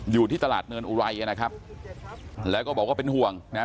อยู่ที่ตลาดเนินอุไรนะครับแล้วก็บอกว่าเป็นห่วงนะฮะ